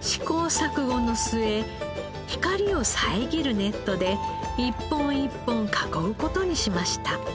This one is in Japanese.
試行錯誤の末光を遮るネットで一本一本囲う事にしました。